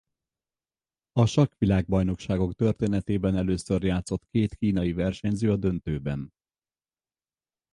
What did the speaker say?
A sakkvilágbajnokságok történetében először játszott két kínai versenyző a döntőben.